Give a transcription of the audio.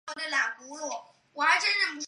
有关部门正在对此进行调查。